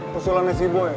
pusulannya si boy